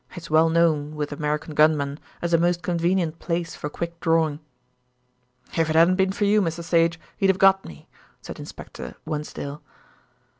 "It's well known with American gunmen as a most convenient place for quick drawing." "If it hadn't been for you, Mr. Sage, he'd have got me," said Inspector Wensdale.